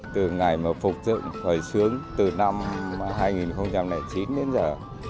từ ngày mà phục dựng hồi sướng từ năm hai nghìn chín đến giờ